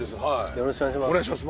よろしくお願いします